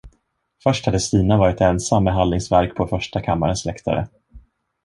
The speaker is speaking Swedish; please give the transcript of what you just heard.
Först hade Stina varit ensam med Hallings verk på Första kammarens läktare.